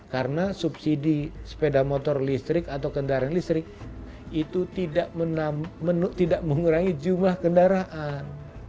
karena subsidi sepeda motor listrik atau kendaraan listrik itu tidak mengurangi jumlah kendaraan